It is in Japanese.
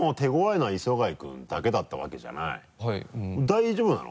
大丈夫なの？